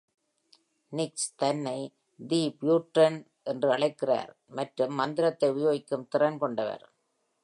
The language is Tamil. Nix தன்னை "தி பியூரிட்டன்" என்று அழைக்கிறார் மற்றும் மந்திரத்தை உபயோகிக்கும் திறன் கொண்டவர்.